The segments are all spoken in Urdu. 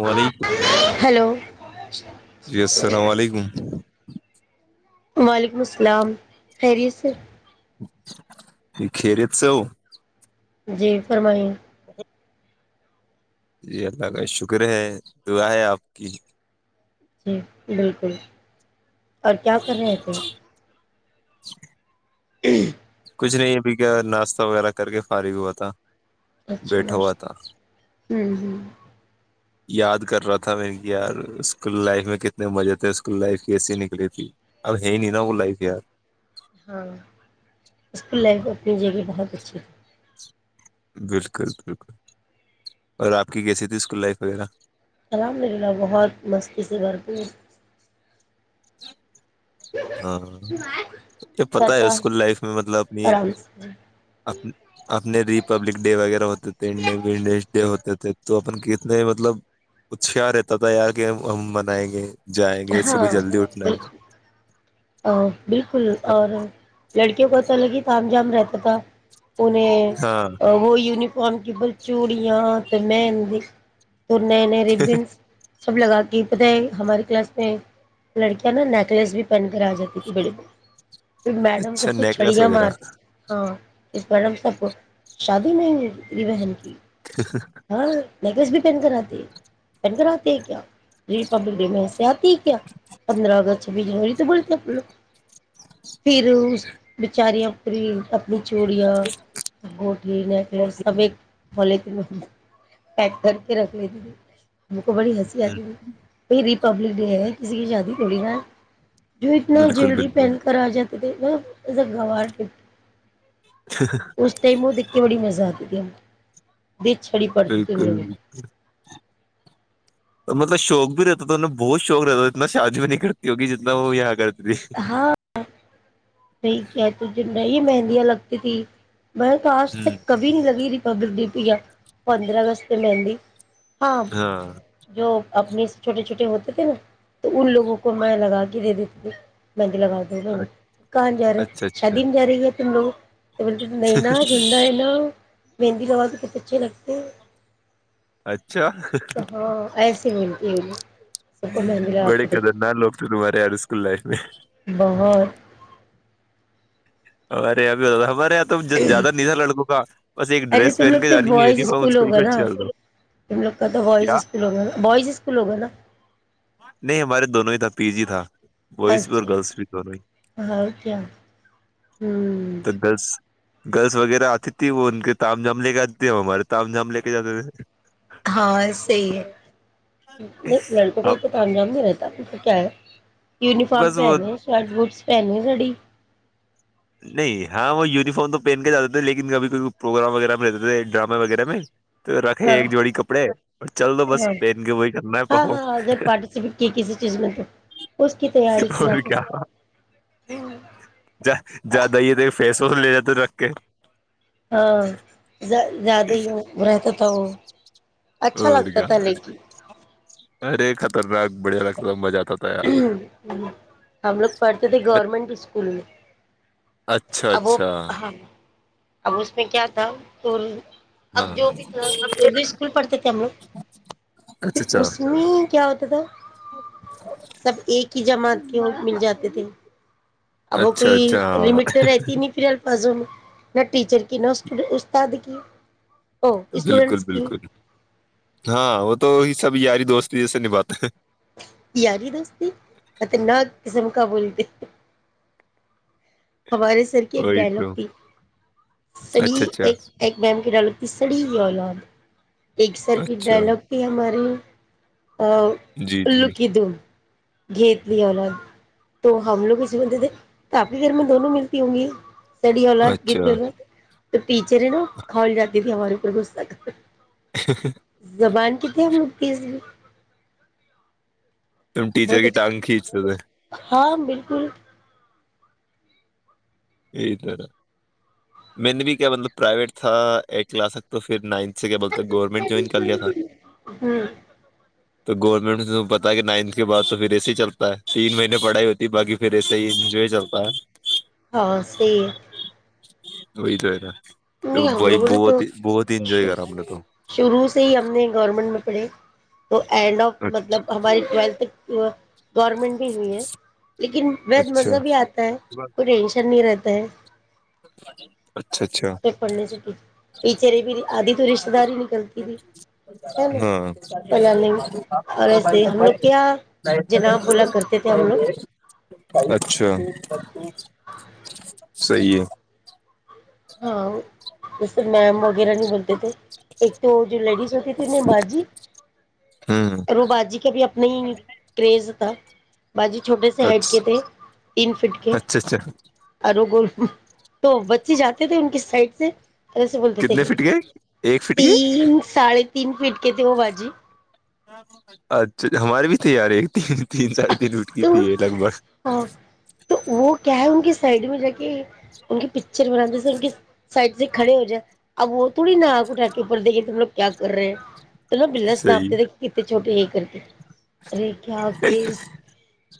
وعلیکم ہلو جی السلام علیکم جی وعلیکم السلام خیریت سے یہ خیرت سے ہو جی فرمائیے جی اللہ کا شکر ہے دعا ہے آپ کی جی بالکل اور کیا کر رہے تھے [inaudible] [inaudible] کچھ نہیں ابھی کیا ناشتہ وغیرہ کر کے فارغ ہوا تھا اچھا بیٹھا بس ہوا تھا ہوں ہ یاد کر رہا تھا میں نے کہ یار اسکول لائف میں کتنے مزے تھے اسکول لائف کیسی نکلی تھی اب ہے نہیں نا وہ لائف یار ہاں اسکول لائف میں اپنی جیگ بھی بہت اچھی تھی بالکل بالکل اور آپ کی کیسی تھی اسکول لائف وغیرہ الحمد للہ بہت مستی سے بھرپور [inaudible] ہاں یہ پتا ہے کرتا اسکول لائف میں مطلب اپنی آرام سے اپنے ریپبلک ڈے وغیرہ ہوتے تھڈ ڈ ہو کہ تھے تو اپن کتنے مطلب اچار رہتا تھا یار کہ ہم منائیں گے جائیں گے ہاں صبح جلدی اٹھنا ہے بالکل ا بالکل اور لڑکیوں کو پت لگی تھام جان رہتا تھا انیں ہاں وہ ی کون کی ب چوڑیاں تو میں د تننے ریبنس سب لگا کے بتیں ہمارے کلاس لڑکیاں نا نیکلس بھی پہن آ جاتی تھی بڑی بڑ پھر میڈم اچھا سب کو نیکلس چھڑیا وغیرہ مارتی تھھی ہاں اس پرار ہم سب کو شادی نہیں م تری بہن کی ہاں نیکلیس بھی پہن کراتے ہیں پہن کراتے ہیں کیا ریپبلک ڈے میںسیا آت کیا پندرہ اگست چھبیس جنوری تو بولتے لوگ پھر اس بچاریاں پی بچوڑیاں گوٹھی نیکلس سب ایک بے ت ل پیک کر کے رکھ لی تے م کو بڑی ہنسی ہ آتیی ہوئی پہ پبلک کسی کی شادی تھوڑی نہ جو اتنا بالکل جیلری بالکل پہن کر آ جاتا مطب ا ا گوار اس ٹائم وہ دیکھ کے بڑی مزہ آتی [inaudible] د چھڑی پڑتی تھیم بالکل لوگوں کو مطلب شوق بھی رہتا تھا انیں بہت شوق رہتا اتنا شادی بھی نہیں کرتی ہوگی جتنا وہ یہاں کرتی تھی ہاں ٹھ ہے ت میں یہی مہندیاں لگتی تھی میں تو آج ہ تک کبھی نہیں لگی رہی پبلک دی پیا پندرہ اگست میں مہی ہاں جو اپنے چھوٹے چھوٹے ہوتے تھے نا تو ان لوگوں کو میں لگا کے دے دیتے تھی مہند لگا دو میں کہاں ج رہا اچھا ہے اچھا شادی نہیں جا رہی ہے چلو تو بولے ت نہیں نا جھنڈا ہے نا مہندی لوا بھی کتنے اچھے لگتے ہیں اچھا سے بڑکد ن لوگتی مارہار اسکول لائف میں بہت اور اب تو زیادہ ندا لڑکوں کا بس ایک ارے ڈریس تم پہن لوگ کے تو جانی بوائز یفارم اسکول ہوگا نا اچھاا تم لوگ کا تو بوائز کیا اسکول ہوگا نا بوائز اسکول ہوگا نا نہیں ہمارے دونوں ہی تھا پی جی تھا وس پر اچھا گرلس بھی کر رہی اور کیا ہوں د گرلس گرلس وغیرہ آتی تھی وہ ان کے تم جام لے کے جات ت ہیں ہمارے تم جام لے کے جاتے تھے ہاں صحی ہے لڑکوں کا ا اب توم جام نہیں رہتا کیا ہے یونیفارم بس وہ پہنے شارٹ بوٹس پہنے گڑی نہیں ہاں وہ یونیفارم تو پہن کے جاتے تھے لیکن کبھی کوئی پروگرام وغیرہ میں رہتے تھے ڈرامے وغیرہ میں تو رکھے ہاں ایک جوڑی کپڑے اور چل دو بس ہاں پہن کے وہی کرنا ہے ہاں پرفم ہاں اگر پارٹیسپیٹ کیے کسی چیز میں تو اس کی تیاری سے اور جاتے کیا تھے ج جیادہ ہی یہ ت فیس واش لے جاتے رکھ کے ہاں زیادہ ہی رہتا تھا وہ اچھا اور لگتا تھا کیا لے کہ ارے خطرناک بڑھیا لگتا تھا مزہ آتا تھا یار ہم لوگ پڑھتے تھے ارے گورنمنٹ اسکول میں اچھا اب وہ اچھا ہاں اب اس میں کیا تھا تو اب ہاں جو بھی تھا اردو اسکول پڑھتے تھے ہم لوگ اچھا پھر اچھا اس میں کیا ہوتا تودا سب ایک ہی جماعت کے مل جاتے تھے ابو اچھا کوئی اچھا ہاں لمٹ تو ہے تین افریل پازن نہ ٹیچر کی نہ اس استاد کی او بالکل اسٹوڈینٹس کی بالکل ہاں وہ تو سب یاری دوستی جیسے نباتا ہے یاری دوستی خطرناک کسم کا بولتے ہمارے سر کی ہیں ایک وہی ڈائلگ تو تھی سڑی اچھا اچھا ایک ایک میم کی ڈائلگ ت پڑی اولاد ایک سر کی اچھا ڈائلگ تھی ہماری ا جی ال جی لوک د گت لی اورورات تو ہم لوگ اسی بندے دے کافی پھر میں دونوں ملتی ہوں گی تڑ ہولا گ اچھا تو ٹیچر ہے نا کھول جاتی تھی ہمارےوپر غصہ زبان کیت م پیس تم ٹیچر کی ٹگ کھینچ س ہو ہاں بالکل دھر میں نے بھی کیا مطلب پرائیویٹ تھا ایٹ کلاس تک تو پھر نائنھ سے کیا بولتے گورنمنٹ جوائن کر لیا تھا ہوں تو گورنمنٹ تیں پتاہ کہ نائنتھ کے بعد تو پھر ایسے ہی چلتا ہے تین مہینے پڑھائی ہوتی ہے باقی پھر ایسے ہی جو یہ چلتا ہے پاص وہئی تو ہےیرا نہیں ہم لوگوں نے تو انجوائے کرا ہم نے تو شروع سے ہی ہم نے گورنمنٹ میں بڑری تو اینڈ آف مطلب ہماری ٹویلتھک گورنمنٹ ہوئی ہے لیکن وید اچھا مزہ بھی آتا ہے کوئی ٹینشن نہیں رہتی پ [unintelligible] پڑنے س یہچر بھی آد ہاں ہے نا پلانے میں، اور ایسے ہم لوگ کیا جناب بولا کرتے تھے ہم لوگ اچھا صی ہے ہاں [unintelligible] جیسے میم وغیرہ نہیں بلتے تھ ایک تو جو لیڈیز ہوتی تھی انیں باجی ہوں وہ بجی کا بھی اپنا ہی کریز تھا باازی چھوٹے سے ہائڈ کے اچھا تھے تین فٹ کے اچھا اچھا اوررو گول تو بچی جات تھے ان کی سائڈ سے سے بولتے تھے کتنے فٹ گئے ایک فٹ گئے تین ساھے تین پٹکے تھے ہو باجی اچھا ہماری بھی تیار ایک تین تین ساڑھے تین وٹ کی تو تھی یہ لگ بھگ ہاں وہ کیا ہے ان کے سائڈ میں جا کے ان کی پکچر بناتے تھ ان کے سائڈ سے کھڑے ہو جائے اب وہ تھوڑی ن آک اٹا کے اوپر دیکھے ت ہم لوگ کیا کر رہے ہیں تو بنس صحیح نامپتے چھوٹیے ہی کر کے ارے کیا کیس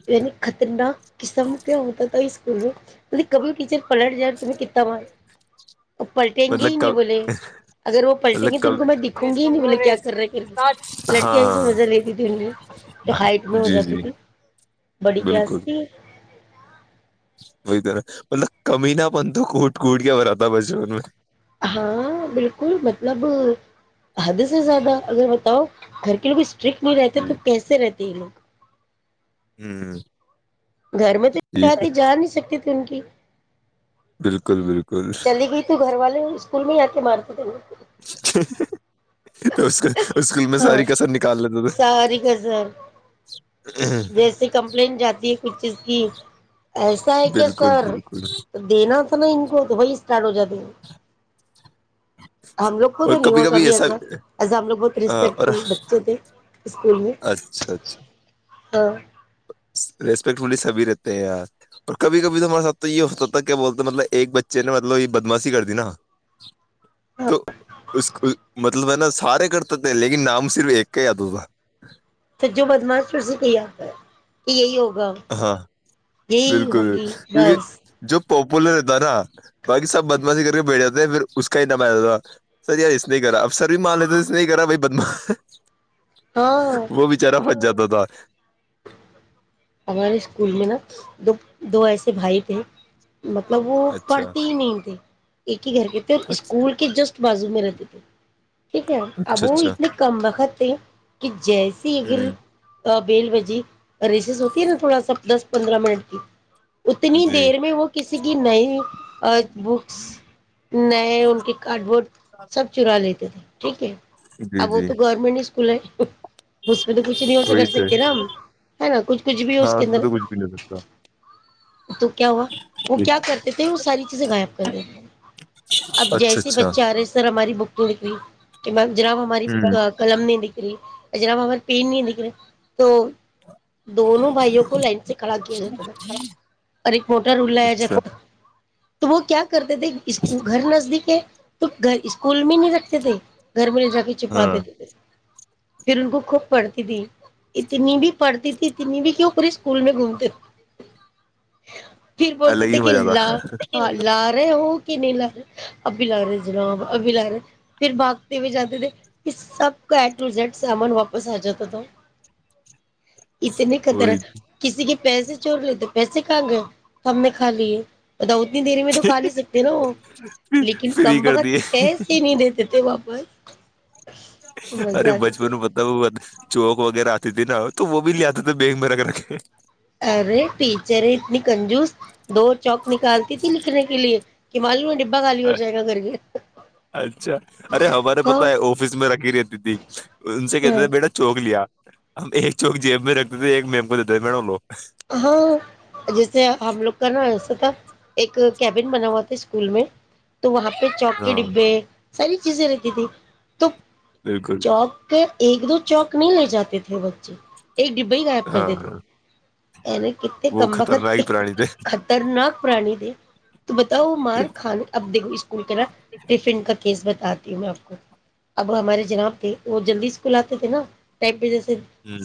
یعنی خطرناک قسب ہوتا توکول مط کبھی ٹیچر پلٹ ج ت نےتا مار پلٹیں گے مطلب ہی کب نہیں بولے اگر وہ پلٹیں گے مطلب تو کب ان کو میں دکھوں ریس گی ہی کم نہیں لو بولے کیا ریس کر رہے لڑکیاں سے ہاں مزہ لیتی تھی ان تو ہائٹ میں ہو جی جاتی جی تھی بڑی کلاس تھی وہرا مطلب کمی نہا بن ہاں بالکل مطلب حد سے زیادہ اگر بتاؤ گھر کے لوگ اسٹرک نہیں رہتے جی تو کیسے رہتے یہ لوگ ھمم گھر میں تو کہتی جا نہیں سکتی تنکی بالکل بالکل چلی گئی تو گھر والے کلمی آا کے مارتےینے اس اس اسکول میں ہاں ساری کسر نکال لیتے تھے جیسی کمپلینٹ جاتی کچھکی ایسا ہے کیا بالکل سر بالکل تو دینا تھا نا ان کو دبئی اسٹارٹ ہو جاتے ہیں ہم لوگ کو اور تو نہیں کبھی کبھی ہوگبھی ایسا ایزا ایزا ہم لوگ بہت ہاں، رسپیکٹ اور فل بچے تھے اسکول میں ہاں [inaudible] رسپیکٹ فلی سبھی رہتے ہیں یار اور کبھی کبھی تو ہمارے ساتھ تو یہ ہوتا تھا کیا بولتے مطلب ایک بچے نے مطلب یہ بدماشی کر دی نا تو اس مطلب ہے نا سارے کرتے تھے لیکن نام صرف ایک کے یاد ہو تھا تو جو بدماش کرسی کو یاد ہے کہ یہی ہوگا ہاں یہی بالکل بک ہوگی کیونکہ بس جو پوپوولر ہےتا تھاا [unintelligible] باقی سب بدمش کر کے بیٹ جاتتے پھر اس کا ہی نم آ تھا سر یار اس نے کرا اب سر بھی مان لیتے اس نے کرا بھائی بدما ہاں وہ بچارا بت جاتد [unintelligible] بدار [inaudible] ہمارے اسکول میں نا دو دو ایسے بھائی تھے مطلب وہ اچھا پڑھتے ہی نہیں تھے گھر کے تھے اور اچھا اسکول کے جسٹ بازو میں رہتے تھے ٹھیک ہے اب وہ اچھا اتنے کم وقت تھے کہ جیسی اگر ہ بیل بجی رسسس ت ن تھوڑا سا دس پندرہ منٹ کی [unintelligible] اتنی جی دیر میں وہ کسی اس کی نہیں ایچت بکس [unintelligible] نئے ان کے کارڈ بورڈ سب چرا لیتے ٹھیک ہے [inaudible] جی اب جی تو گورنمنٹ کل اس پہ تو کچھ نہیں سےا وہی کر تو ہے۔ سکتے نا ہم ہے نا کچھ کچھ بھی ہو ہاں کے اس میں تو اندر کچھ بھی نہیں سکتا تو کیا ہوا وہ کیا کرتے تھے وہ ساری چیزیں غائب کر دیتے اب اچھا جیسے اچھا بچے آ رہے سر ہماری بک کے بس گجراؤ ہماری ہ قلم نے جرا بابار پین نہیں دیکھ رہے تو دونوں بھائیوں کو لائن سے کھڑا کیا جاتا تھا اورر ایک موٹا رولایا اچھا تھا تو وہ کیا کرتے تھے اس گھر نزدیک ہے تو گھر اسکول میں نہیں رکھتے تھے گھر میںل جا کے چپا ہاں دیتے تھے پھر ان کو خوب پڑھتی تھی اتنی بھی پڑھتی تھی اتنی بھی کیوں پورے اسکول میں گھومتے تھے پھر بولتے الگ تھے ہی کہ مزہ لا تھا ہاں لا رہے وہ نہیں لا رہے ابھی لا رہے جناب ابھی لا رہے پھر بھاگتے ہوئے جاتے تھے سب کا ایڈ ٹو زڈ سامان واپس آ جاتا تھا اتنے خطرہ وہی کسی کے پیسے چھوڑ لیتے پیسے کھائیں گے تو ہم نے کھا لیے بتا اتنی دری میں تو کھا نہیں سکتے نا وہ لیکن فری کم کر وقت دیے پسے ہی نہیں دیتے تھے واپس مزہ ارے آتی تھی بچپن بتا بات چوک وغیرہ آتی تھی نا تو وہ بھی لے آتے تھے بیگ میں رکھ رکھ ارے پٹیچر ہے اتنی کنجوس دو چوک نکالتی تھی نکنے کے لیے کہ مالوڈ اچھا ارے ہمارے ہاں پتا ہے آفس میں رکھی رہتی تھی ان سے کہتے ہاں تھے بیٹا چوک لیا ہم ایک چوک جیب میں رکھتے تھے ایک میم کو دیتے مڈ لو ہاں جیسے ہم لوگ کرنا تھا ایک کیبن بنا ہوا تھا اسکول میں تو وہاں پہ چوکی ہاں ڈبے ساری چیز دتی تو بالکل جاب کے ایک دو چوک نہیں لے جاتے تھے بچے ایک ڈبے ہی غائب کر دیتے تھے ہاں ا نے کتنے وہ کمباخت خطرناک ہی پرانی تھے خطرناک پرانی د تو بتاؤ مار کھان اب دیکھ اسکول کے نا ٹفن کا کیس بتا آتی ہ میں آپ کو اب ہمارے جناب تھے وہ جلدی اسکول آتے تھے نا ٹائم پہ جیسے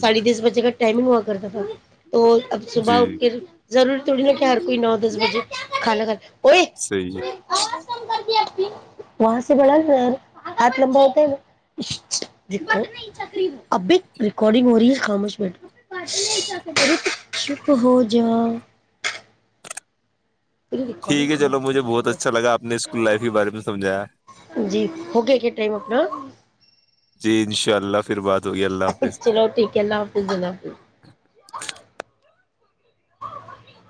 ساڑ دس بجے ک ٹائمنگ ہوا کرتا تھاا تو اب صبح جی اٹ کے ضوری تھوڑی ر کہ ہر کوئی نو دس بجے کھالانا کالا صی ہے وہاں سے بڑا نا ار آھ لمبا ہوتا ہے اب بھی ریکارڈنگ ہو رہی ہے خاموش بیٹ بہت شپ ہو جاؤ ٹھیک ہے چلو کر مجھے بہت رہے اچھا لگا اپنے اسکول لائف کے بارے میں سمجھایا ہیں جی [unintelligible] ہو گیا کیا ٹائم ا اپ [unintelligible] جی انشاء اللہ پھر بات ہوگی اللہ حافظ چلو ٹھیک ہے اللہ حافظ اللہ حافظ [unintelligible]